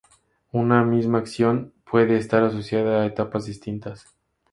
Una misma acción puede estar asociada a etapas distintas.